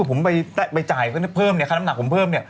สมมุติว่าคนผมไปจ่ายเพิ่มค่าน้ำหนักผมพิกิษ